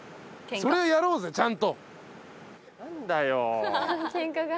それやろうぜちゃんと。